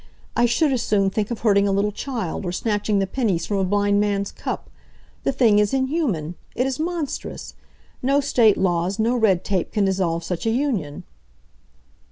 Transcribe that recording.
I should as soon think of hurting a little child, or snatching the pennies from a blind man's cup. The thing is inhuman! It is monstrous! No state laws, no red tape can dissolve such a union."